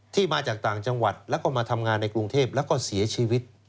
มาจากต่างจังหวัดแล้วก็มาทำงานในกรุงเทพแล้วก็เสียชีวิต